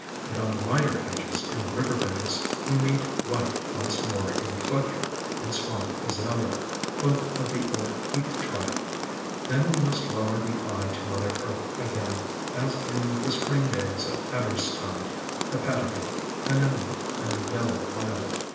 But on the lighter edges and river banks we meet white once more in Clethra and Swamp Azalea, both of the old Heath tribe ; then we must lower the eye to Mother Earth again, as in the Spring days of Adder's Tongue, Hepatica, Anemone and Yellow Violet.